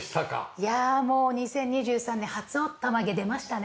いやもう２０２３年初「おったまげ」出ましたね。